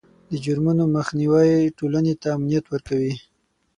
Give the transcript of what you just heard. د جرمونو مخنیوی ټولنې ته امنیت ورکوي.